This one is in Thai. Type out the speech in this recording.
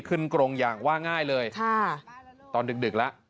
ขึ้นกรงอย่างว่าง่ายเลยตอนดึกแล้ว